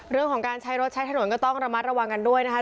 เรื่องของการใช้รถใช้ถนนก็ต้องระมัดระวังกันด้วยนะคะ